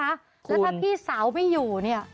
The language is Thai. แล้วถ้าพี่สาวไม่อยู่เนี่ย